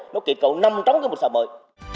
nó kết cấu năm trong cái một xã mới